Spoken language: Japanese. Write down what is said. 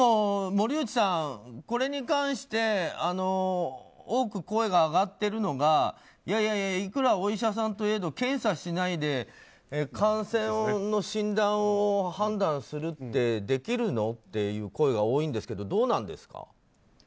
森内さん、これに関して多く声が上がっているのがいやいやいくらお医者さんといえど検査しないで感染の診断を判断するってできるの？っていう声が多いんですけど、どうですか。